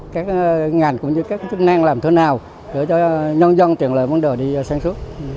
các ngành cũng như các chức năng làm thế nào để cho nhân dân truyền lợi vấn đề đi sáng suốt